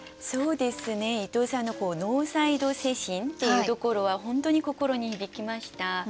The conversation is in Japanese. そうですね伊藤さんのノーサイド精神っていうところは本当に心に響きました。